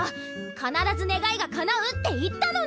必ず願いがかなうって言ったのに！